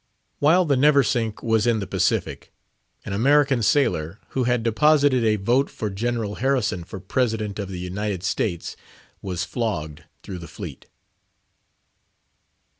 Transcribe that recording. While the Neversink was in the Pacific, an American sailor, who had deposited a vote for General Harrison for President of the United States, was flogged through the fleet.